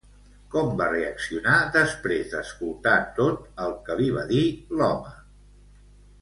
Com va reaccionar després d'escoltar tot el que li va dir l'home?